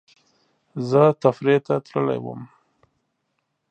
زه تفریح ته تللی وم